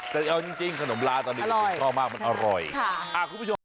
แต่เอาจริงขนมลาตอนนี้ชิคกี้พายชอบมากมันอร่อย